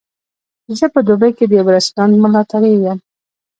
زه په دوبۍ کې د یوه رستورانت ملاتړی یم.